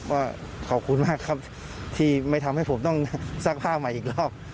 ว่าขอบคุณมากครับที่ไม่ทำให้ผมต้องซักผ้าใหม่อีกรอบ